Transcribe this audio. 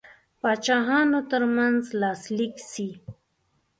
پاچاهانو ترمنځ لاسلیک سي.